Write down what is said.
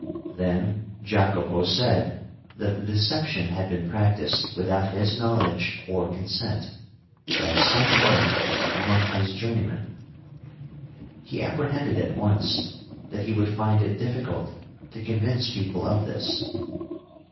Then Jacopo said that the deception had been practised without his knowledge or consent, by some one among his journeymen. He apprehended at once that he would find it difficult to convince people of this.